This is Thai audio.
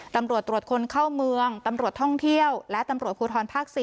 ตำรวจตรวจคนเข้าเมืองตำรวจท่องเที่ยวและตำรวจภูทรภาค๔